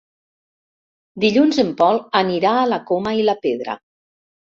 Dilluns en Pol anirà a la Coma i la Pedra.